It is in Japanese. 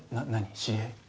知り合い？